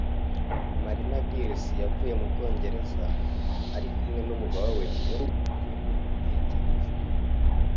Marina Giles yavuye mu Bwongereza ari kumwe n’umugabo we muri ubu buryo bwo gutekereza.